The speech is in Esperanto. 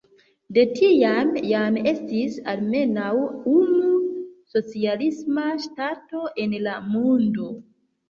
De tiam jam estis almenaŭ unu socialisma ŝtato en la mondo.